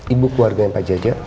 ibu keluarga yang pak jaja